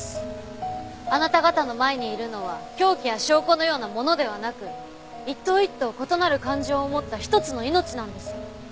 あなた方の前にいるのは凶器や証拠のようなものではなく一頭一頭異なる感情を持った一つの命なんです。